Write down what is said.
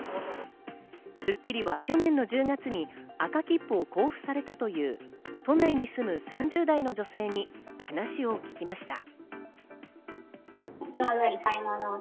『スッキリ』は去年の１０月に赤切符を交付されたという都内に住む３０代の女性に話を聞きました。